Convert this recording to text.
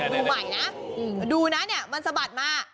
ดูใหม่นะดูนะเนี่ยมันสะบัดมา